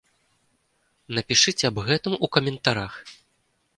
Напішыце аб гэтым у каментарах!